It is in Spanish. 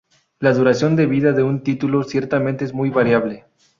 La duración de vida de un título ciertamente es muy variable.